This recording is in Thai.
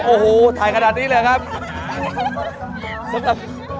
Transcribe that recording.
โอ้โหถ่ายขนาดนี้เลยครับ